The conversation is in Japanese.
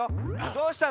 どうしたの？